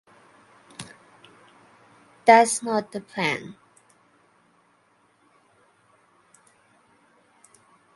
That’s not the plan.